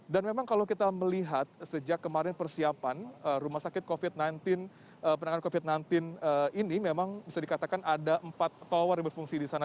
dan memang kalau kita melihat sejak kemarin persiapan rumah sakit covid sembilan belas penanganan covid sembilan belas ini memang bisa dikatakan ada empat tower yang berfungsi di sana